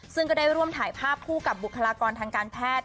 ซึ่งก็ได้ร่วมถ่ายภาพคู่กับบุคลากรทางการแพทย์